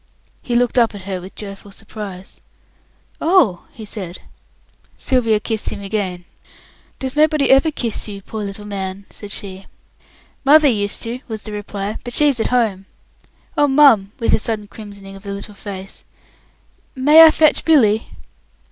He looked up at her with joyful surprise. "Oh!" he said. Sylvia kissed him again. "Does nobody ever kiss you, poor little man?" said she. "Mother used to," was the reply, "but she's at home. Oh, mum," with a sudden crimsoning of the little face, "may I fetch Billy?"